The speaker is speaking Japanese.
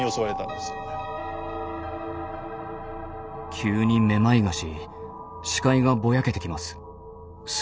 急にめまいがし視界がぼやけてきます。